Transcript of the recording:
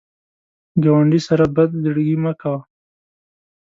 ګاونډي سره بد زړګي مه کوه